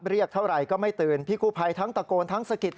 เรียกเท่าไหร่ก็ไม่ตื่นพี่กู้ภัยทั้งตะโกนทั้งสะกิด